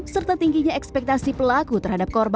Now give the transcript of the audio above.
serta tingginya ekspektasi pelaku terhadap korban